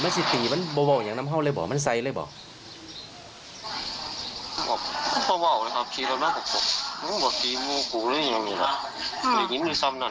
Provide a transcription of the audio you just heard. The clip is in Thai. อยากยิ้มเลยซ้ำนั้น